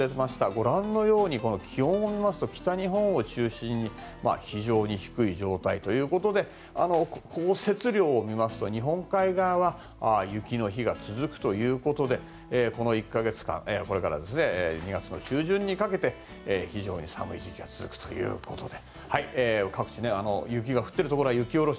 ご覧のように気温を見ますと北日本を中心に非常に低い状態で降雪量を見ますと日本海側は雪の日が続くということでこの１か月間これから２月の中旬にかけて非常に寒い時期が続くということです。